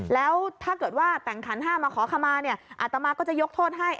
แล้วถ้าเกิดว่าแต่งขันห้ามาขอขมาเนี่ยอาตมาก็จะยกโทษให้